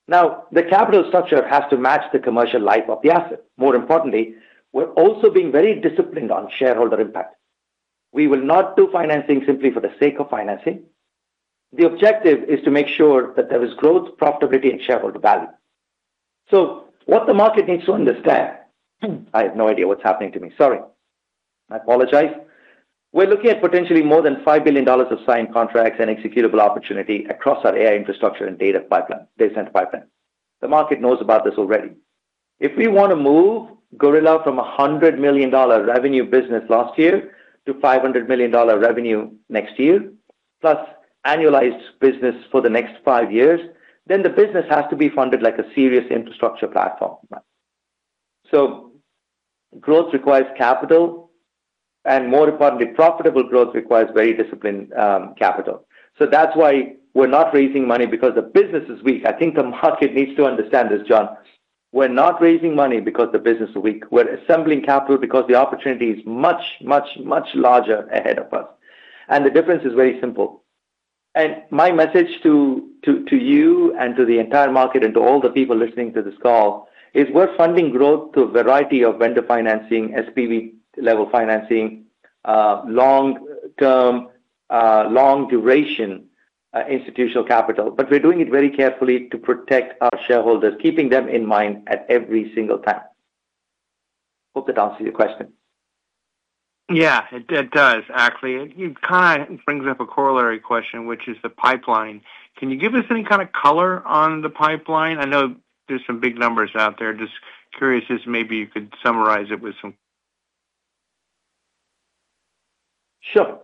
The capital structure has to match the commercial life of the asset. More importantly, we're also being very disciplined on shareholder impact. We will not do financing simply for the sake of financing. The objective is to make sure that there is growth, profitability, and shareholder value. What the market needs to understand. I have no idea what's happening to me. Sorry. I apologize. We're looking at potentially more than $5 billion of signed contracts and executable opportunity across our AI infrastructure and data center pipeline. The market knows about this already. If we want to move Gorilla from $100 million revenue business last year to $500 million revenue next year, plus annualized business for the next five years, the business has to be funded like a serious infrastructure platform. Growth requires capital, and more importantly, profitable growth requires very disciplined capital. That's why we're not raising money because the business is weak. I think the market needs to understand this, John. We're not raising money because the business is weak. We're assembling capital because the opportunity is much, much larger ahead of us, and the difference is very simple. My message to you and to the entire market and to all the people listening to this call is we're funding growth through a variety of vendor financing, SPV level financing, long-term, long-duration institutional capital. We're doing it very carefully to protect our shareholders, keeping them in mind at every single time. Hope that answers your question? Yeah, it does, actually. It kind of brings up a corollary question, which is the pipeline. Can you give us any kind of color on the pipeline? I know there's some big numbers out there. Just curious if maybe you could summarize it with some. Sure.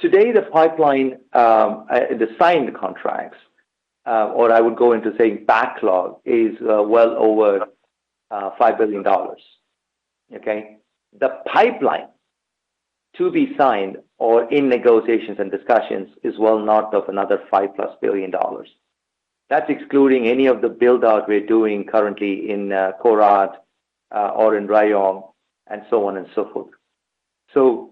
Today, the pipeline, the signed contracts, or I would go into say backlog, is well over $5 billion. Okay. The pipeline to be signed or in negotiations and discussions is well north of another $5+ billion. That's excluding any of the build-out we're doing currently in Korat or in Rayong, and so on and so forth.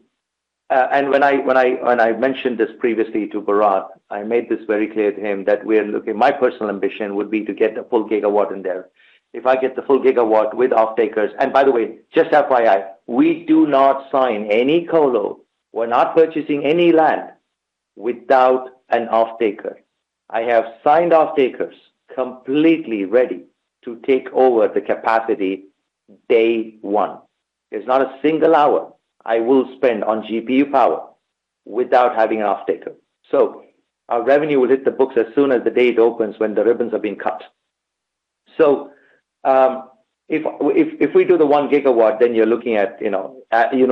When I mentioned this previously to Bharath, I made this very clear to him that my personal ambition would be to get a full gigawatt in there. If I get the full gigawatt with off-takers, and by the way, just FYI, we do not sign any colo. We're not purchasing any land without an off-taker. I have signed off-takers completely ready to take over the capacity day one. There's not a single hour I will spend on GPU power without having an off-taker. Our revenue will hit the books as soon as the day it opens when the ribbons are being cut. If we do the 1 GW, then you're looking at, you know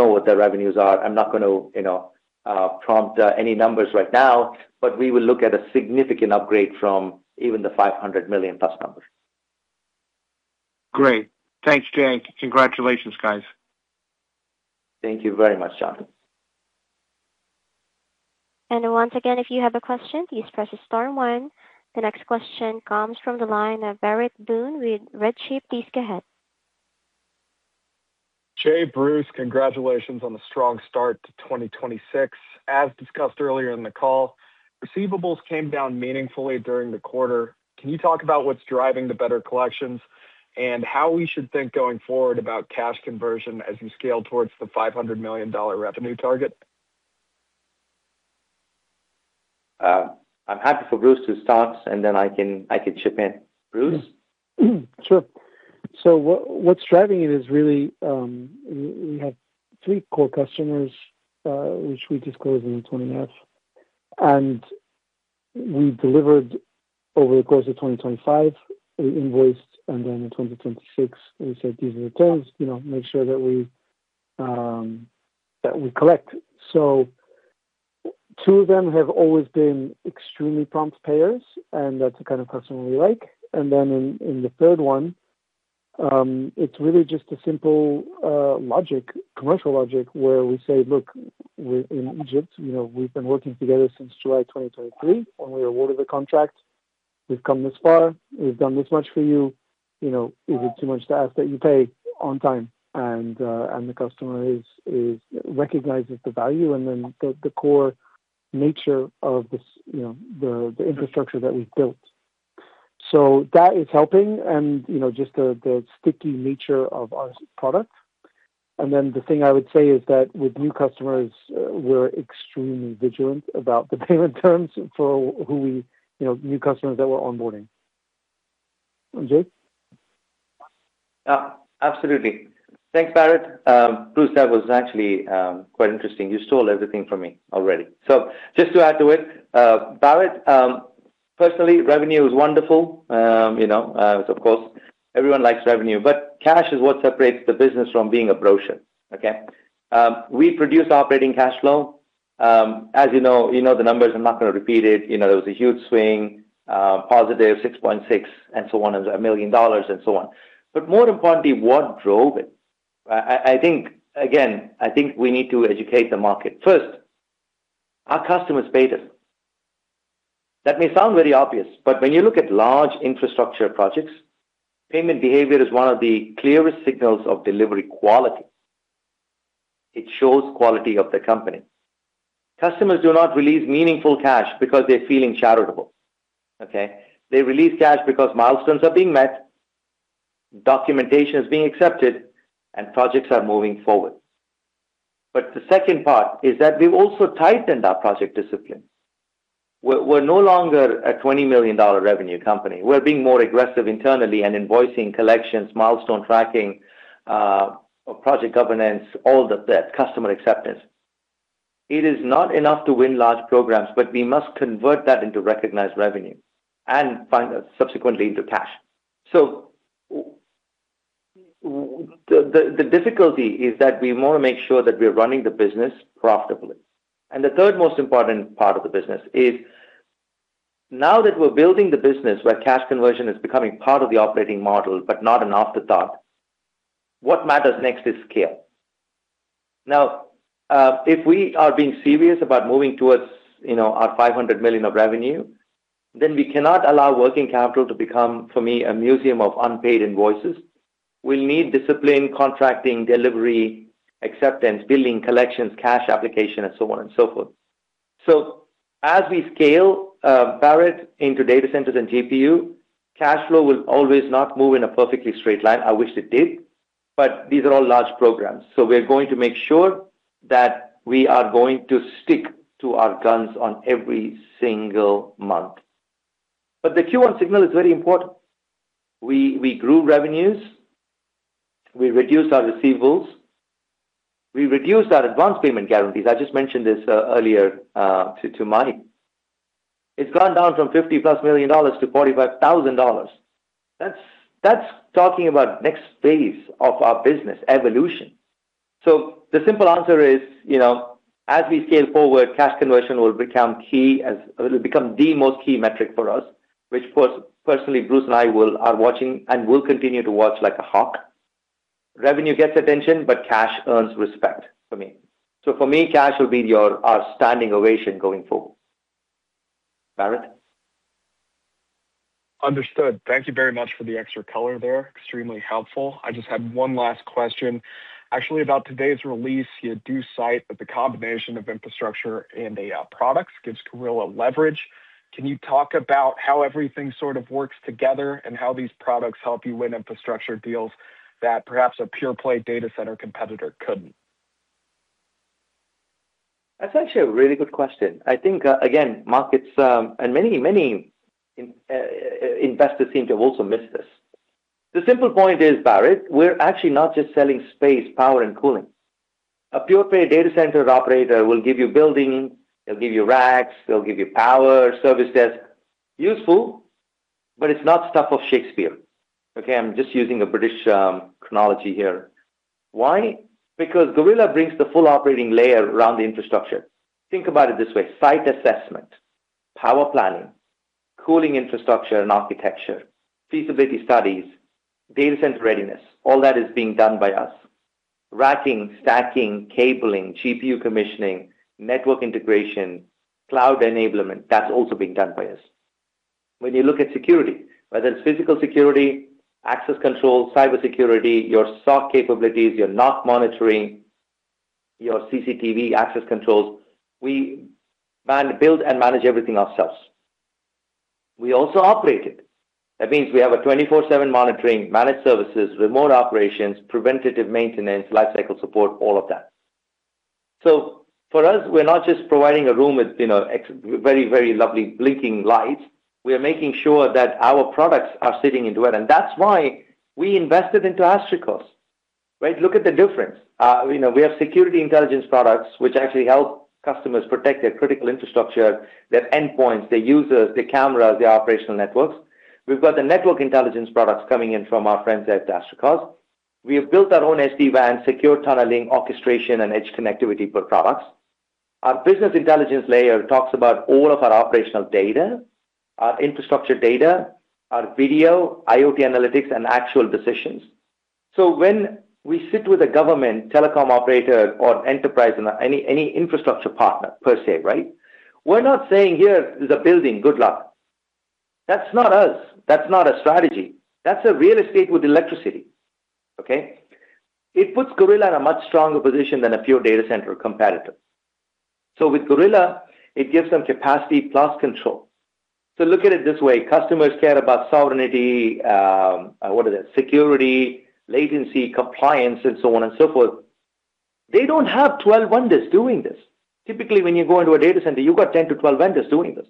what the revenues are. I'm not going to prompt any numbers right now, but we will look at a significant upgrade from even the $500 million+ numbers. Great. Thanks, Jay. Congratulations, guys. Thank you very much, John. Once again, if you have a question, please press star one. The next question comes from the line of Barrett Boone with RedChip. Please go ahead. Jay, Bruce, congratulations on the strong start to 2026. As discussed earlier in the call, receivables came down meaningfully during the quarter. Can you talk about what's driving the better collections and how we should think going forward about cash conversion as you scale towards the $500 million revenue target? I'm happy for Bruce to start, and then I can chip in. Bruce? Sure. What's driving it is really, we have three core customers, which we disclosed in the 20-F. We delivered over the course of 2025. We invoiced, in 2026, we said, "These are the terms, make sure that we collect." Two of them have always been extremely prompt payers, and that's the kind of customer we like. In the third one, it's really just a simple commercial logic where we say, "Look, we're in Egypt. We've been working together since July 2023 when we awarded the contract. We've come this far. We've done this much for you. Is it too much to ask that you pay on time?" The customer recognizes the value and then the core nature of the infrastructure that we've built. That is helping and just the sticky nature of our products. The thing I would say is that with new customers, we're extremely vigilant about the payment terms for new customers that we're onboarding. Jay? Absolutely. Thanks, Barrett. Bruce, that was actually quite interesting. You stole everything from me already. Just to add to it, Barrett, personally, revenue is wonderful. Of course, everyone likes revenue, but cash is what separates the business from being a brochure. Okay? We produce operating cash flow. As you know the numbers, I'm not going to repeat it. There was a huge swing, +$6.6 million. More importantly, what drove it? I think, again, I think we need to educate the market. First, our customers paid us. That may sound very obvious, but when you look at large infrastructure projects, payment behavior is one of the clearest signals of delivery quality. It shows quality of the company. Customers do not release meaningful cash because they're feeling charitable. Okay? They release cash because milestones are being met, documentation is being accepted, and projects are moving forward. The second part is that we've also tightened our project discipline. We're no longer a $20 million revenue company. We're being more aggressive internally in invoicing, collections, milestone tracking, project governance, all of that, customer acceptance. It is not enough to win large programs, but we must convert that into recognized revenue, and subsequently into cash. The difficulty is that we want to make sure that we're running the business profitably. The third most important part of the business is now that we're building the business where cash conversion is becoming part of the operating model but not an afterthought, what matters next is scale. Now, if we are being serious about moving towards our $500 million of revenue, we cannot allow working capital to become, for me, a museum of unpaid invoices. We'll need discipline, contracting, delivery, acceptance, billing, collections, cash application, and so on and so forth. As we scale, Barrett, into data centers and GPU, cash flow will always not move in a perfectly straight line. I wish it did, but these are all large programs. We're going to make sure that we are going to stick to our guns on every single month. The Q1 signal is very important. We grew revenues, we reduced our receivables, we reduced our advanced payment guarantees. I just mentioned this earlier, to Mani. It's gone down from $50+ million to $45,000. That's talking about next phase of our business evolution. The simple answer is, as we scale forward, cash conversion will become the most key metric for us, which personally, Bruce and I are watching and will continue to watch like a hawk. Revenue gets attention, but cash earns respect, for me. For me, cash will be our standing ovation going forward. Barrett. Understood. Thank you very much for the extra color there. Extremely helpful. I just had one last question. Actually, about today's release. You do cite that the combination of infrastructure and AI products gives Gorilla leverage. Can you talk about how everything sort of works together, and how these products help you win infrastructure deals that perhaps a pure-play data center competitor couldn't? That's actually a really good question. I think, again, markets and many, many investors seem to have also missed this. The simple point is, Barrett, we're actually not just selling space, power, and cooling. A pure-play data center operator will give you building, they'll give you racks, they'll give you power, service desk. Useful, but it's not stuff of Shakespeare. Okay, I'm just using a British chronology here. Why? Because Gorilla brings the full operating layer around the infrastructure. Think about it this way: site assessment, power planning, cooling infrastructure and architecture, feasibility studies, data center readiness. All that is being done by us. Racking, stacking, cabling, GPU commissioning, network integration, cloud enablement, that's also being done by us. When you look at security, whether it's physical security, access control, cybersecurity, your SOC capabilities, your NOC monitoring, your CCTV access controls, we build and manage everything ourselves. We also operate it. That means we have a 24/7 monitoring, managed services, remote operations, preventative maintenance, life cycle support, all of that. For us, we're not just providing a room with very, very lovely blinking lights. We are making sure that our products are sitting into it, and that's why we invested into Astrikos. Right? Look at the difference. We have security intelligence products which actually help customers protect their critical infrastructure, their endpoints, their users, their cameras, their operational networks. We've got the network intelligence products coming in from our friends at Astrikos. We have built our own SD-WAN, secure tunneling, orchestration, and edge connectivity for products. Our business intelligence layer talks about all of our operational data, our infrastructure data, our video, IoT analytics, and actual decisions. When we sit with a government telecom operator or enterprise, any infrastructure partner, per se, right? We're not saying, "Here is a building. Good luck." That's not us. That's not a strategy. That's a real estate with electricity. Okay. It puts Gorilla in a much stronger position than a pure data center competitor. With Gorilla, it gives them capacity plus control. Look at it this way. Customers care about sovereignty, what is it? Security, latency, compliance, and so on and so forth. They don't have 12 vendors doing this. Typically, when you go into a data center, you've got 10 to 12 vendors doing this.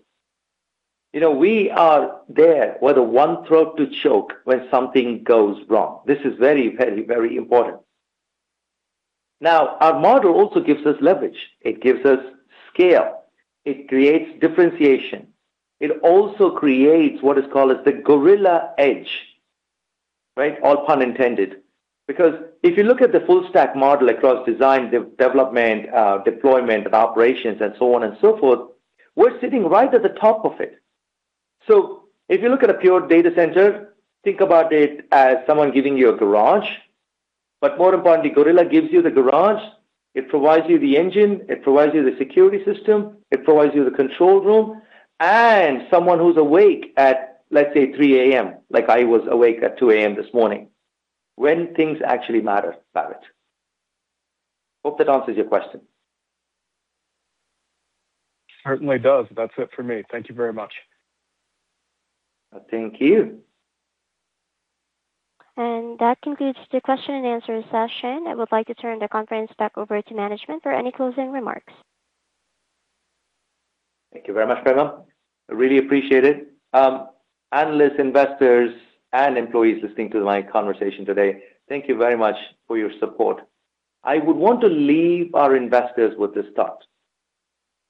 We are there. We're the one throat to choke when something goes wrong. This is very, very, very important. Now, our model also gives us leverage. It gives us scale. It creates differentiation. It also creates what is called the Gorilla Edge, right, all pun intended. If you look at the full stack model across design, development, deployment, operations, and so on and so forth, we're sitting right at the top of it. If you look at a pure data center, think about it as someone giving you a garage, but more importantly, Gorilla gives you the garage, it provides you the engine, it provides you the security system, it provides you the control room, and someone who's awake at, let's say, 3:00 A.M., like I was awake at 2:00 A.M. this morning, when things actually matter, Bharath. Hope that answers your question. Certainly does. That's it for me. Thank you very much. Thank you. That concludes the question and answer session. I would like to turn the conference back over to management for any closing remarks. Thank you very much, Prema. I really appreciate it. Analysts, investors, and employees listening to my conversation today, thank you very much for your support. I would want to leave our investors with this thought.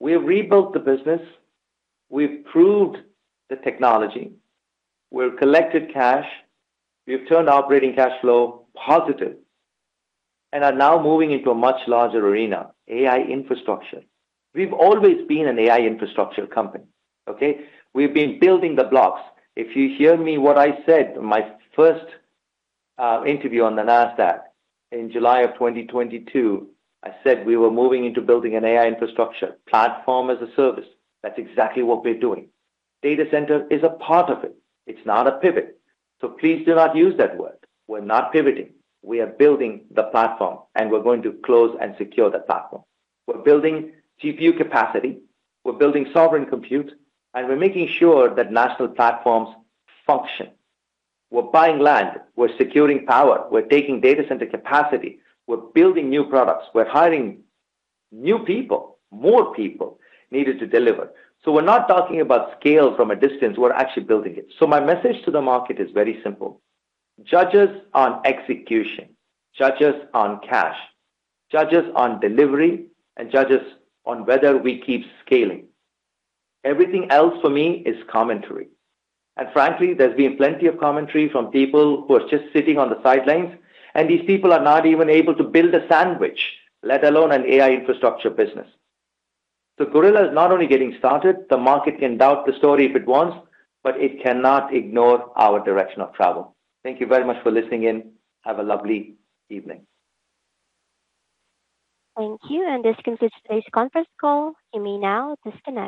We have rebuilt the business, we've proved the technology, we've collected cash, we've turned operating cash flow positive, and are now moving into a much larger arena, AI infrastructure. We've always been an AI infrastructure company, okay? We've been building the blocks. If you hear me, what I said, my first interview on the Nasdaq in July of 2022, I said we were moving into building an AI infrastructure, platform as a service. That's exactly what we're doing. Data center is a part of it. It's not a pivot. Please do not use that word. We're not pivoting. We are building the platform, and we're going to close and secure the platform. We're building GPU capacity, we're building sovereign compute, and we're making sure that national platforms function. We're buying land, we're securing power, we're taking data center capacity, we're building new products, we're hiring new people, more people needed to deliver. We're not talking about scale from a distance, we're actually building it. My message to the market is very simple. Judge us on execution, judge us on cash, judge us on delivery, and judge us on whether we keep scaling. Everything else for me is commentary. Frankly, there's been plenty of commentary from people who are just sitting on the sidelines, and these people are not even able to build a sandwich, let alone an AI infrastructure business. Gorilla is not only getting started, the market can doubt the story if it wants, but it cannot ignore our direction of travel. Thank you very much for listening in. Have a lovely evening. Thank you. This concludes today's conference call. You may now disconnect.